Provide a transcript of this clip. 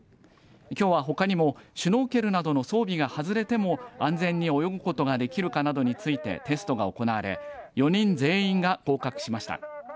きょうは、ほかにもシュノーケルなどの装備が外れても安全に泳ぐことができるかなどについてテストが行われ４人全員が合格しました。